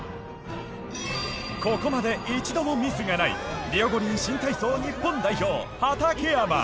ここまで一度もミスがないリオ五輪新体操日本代表畠山。